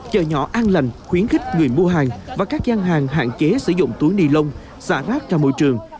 chợ nhỏ an lành khuyến khích người mua hàng và các gian hàng hạn chế sử dụng túi nilon xả rác cho môi trường